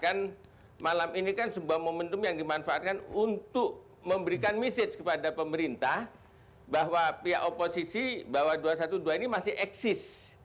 kan malam ini kan sebuah momentum yang dimanfaatkan untuk memberikan message kepada pemerintah bahwa pihak oposisi bahwa dua ratus dua belas ini masih eksis